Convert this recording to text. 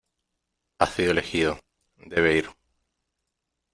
Ha sido elegido . Debe ir .